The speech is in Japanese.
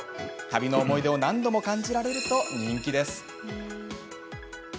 旅の思い出を何度も感じられると人気です。